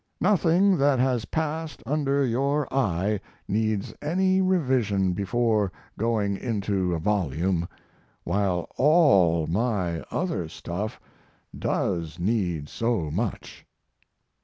Nothing that has passed under your eye needs any revision before going into a volume, while all my other stuff does need so much.